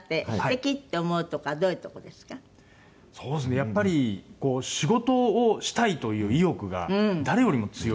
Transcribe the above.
やっぱり仕事をしたいという意欲が誰よりも強い。